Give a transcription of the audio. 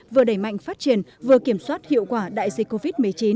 vừa đẩy mạnh phát triển vừa kiểm soát hiệu quả đại dịch covid một mươi chín